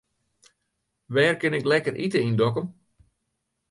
Wêr kin ik lekker ite yn Dokkum?